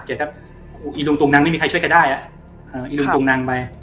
เดี๋ยวก็อีลุงตูงนางไม่มีใครช่วยกันได้อ่ะอ่าอีลุงตูงนางไป